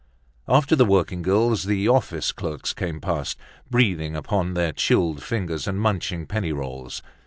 After the working girls, the office clerks came past, breathing upon their chilled fingers and munching penny rolls.